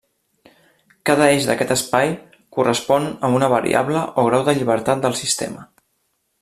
Cada eix d'aquest espai correspon a una variable o grau de llibertat del sistema.